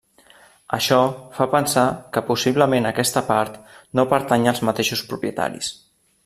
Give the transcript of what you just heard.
Això fa pensar que possiblement aquesta part no pertanyi als mateixos propietaris.